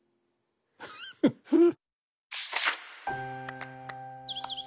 フフフッ。